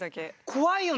怖いよね！？